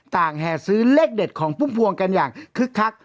แห่ซื้อเลขเด็ดของพุ่มพวงกันอย่างคึกคัก